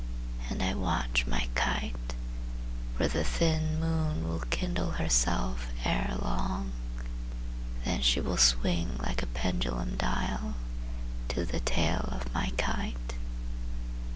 And I watch my kite, For the thin moon will kindle herself ere long, Then she will swing like a pendulum dial To the tail of my kite.